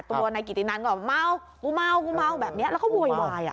ตัวนายกิตินันก็เมากูเมากูเมาแบบนี้แล้วก็โวยวาย